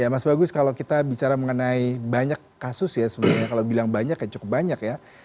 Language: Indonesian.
ya mas bagus kalau kita bicara mengenai banyak kasus ya sebenarnya kalau bilang banyak ya cukup banyak ya